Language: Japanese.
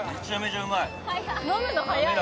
早い飲むの早い！